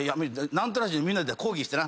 何となしにみんなで抗議してな。